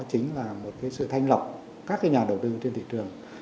chính là một sự thanh lọc các nhà đầu tư trên thị trường